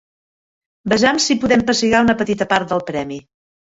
Vejam si podem pessigar una petita part del premi.